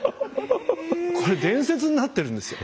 これ伝説になってるんですよ。